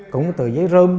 cũng có tờ giấy rơm